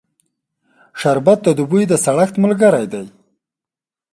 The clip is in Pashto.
شربت د دوبی د سړښت ملګری دی